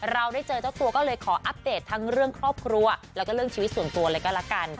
เราได้เจอเจ้าตัวก็เลยขออัปเดตทั้งเรื่องครอบครัวแล้วก็เรื่องชีวิตส่วนตัวเลยก็ละกัน